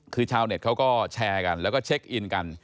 คือชาวเน็ตเขาก็แชร์กันแล้วก็เช็คอินกัน